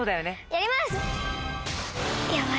やります！